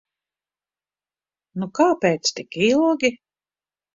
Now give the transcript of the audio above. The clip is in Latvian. Nu kāpēc tik ilgi?